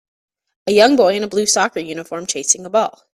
A young boy in a blue soccer uniform chasing a ball